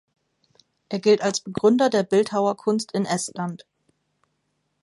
Er gilt als Begründer der Bildhauerkunst in Estland.